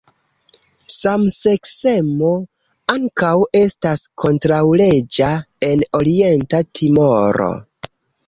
Samseksemo ankaŭ estas kontraŭleĝa en Orienta Timoro.